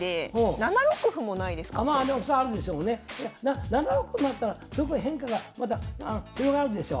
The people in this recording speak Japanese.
７六歩もあったら変化がまた広がるでしょう。